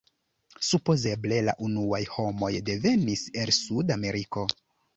Supozeble la unuaj homoj devenis el Suda Ameriko.